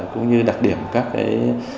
cũng như đặc điểm các cái